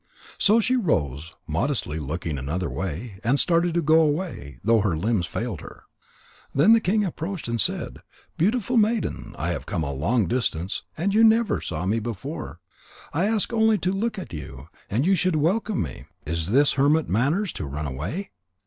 So she rose, modestly looking another way, and started to go away, though her limbs failed her. Then the king approached and said: "Beautiful maiden, I have come a long distance, and you never saw me before. I ask only to look at you, and you should welcome me. Is this hermit manners, to run away?"